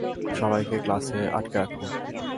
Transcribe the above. সবাইকে ক্লাসে আটকে রাখো।